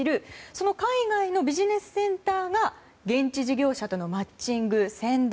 その海外のビジネスセンターが現地事業者とのマッチング、宣伝